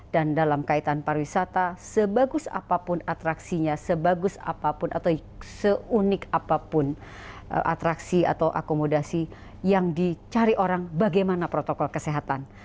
dan dalam kaitan pariwisata sebagus apapun atraksinya sebagus apapun atau seunik apapun atraksi atau akomodasi yang dicari orang bagaimana protokol kesehatan